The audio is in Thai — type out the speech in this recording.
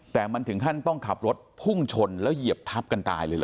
แต่มันถึงขั้นต้องขับรถพุ่งชนแล้วเหยียบทับกันตายเลยเหรอ